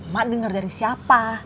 mak dengar dari siapa